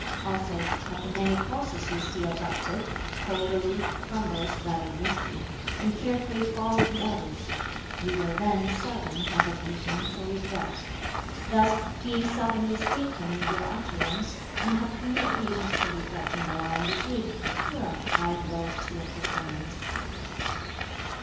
Also, of the many courses you see adopted, hold aloof from those that are risky, and carefully follow the others; you will then seldom have occasion for regret. Thus, being seldom mistaken in your utterances, and having few occasions for regret in the line you take, you are on the high road to your preferment."